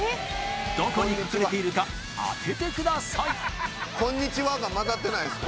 どこに隠れているか当ててください